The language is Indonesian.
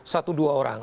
satu dua orang